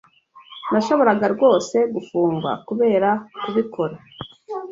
Nashoboraga rwose gufungwa kubera kubikora.